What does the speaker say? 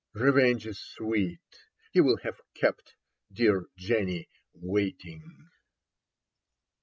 Revenge is sweet ; he will have kept Dear Jenny waiting.